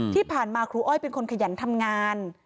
ที่ผ่านมาครูอ้อยเป็นคนขยันทำงาน